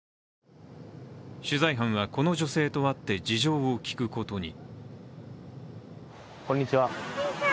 取材班はこの女性と会って事情を聞くことに。